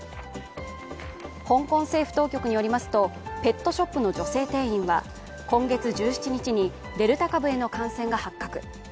香港政府当局によりますと、ペットショップの女性店員は今月１７日にデルタ株への感染が発覚。